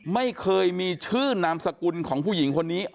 ไม่เคยมีชื่อนามสกุลของผู้หญิงคนนี้